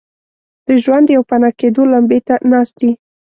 د ژوند پوپناه کېدو لمبې ته ناست دي.